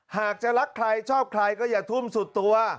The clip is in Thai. หากจะรักใครชอบใครก็อย่าทุ่มสุดตัว